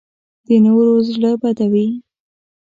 د نورو زړه بدوي